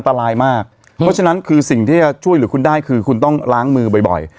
มากเพราะฉะนั้นคือสิ่งที่จะช่วยเหลือคุณได้คือคุณต้องล้างมือบ่อย